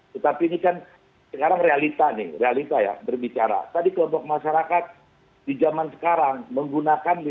tetapi ini kan sekarang realita nih realita ya berbicara tadi kelompok masyarakat di zaman sekarang menggunakan listrik empat ratus lima puluh volt ampere